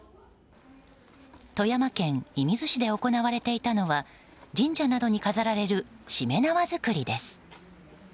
富山県射水市で行われていたのは神社などに飾られるしめ縄作りです。